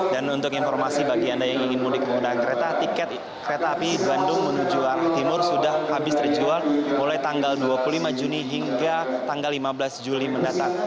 dan untuk informasi bagi anda yang ingin mudik menggunakan kereta tiket kereta api bandung menuju arah timur sudah habis terjual mulai tanggal dua puluh lima juni hingga tanggal lima belas juli mendatang